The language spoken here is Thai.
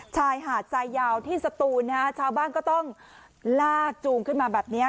ชายหาดทรายยาวที่สตูนนะฮะชาวบ้านก็ต้องลากจูงขึ้นมาแบบเนี้ย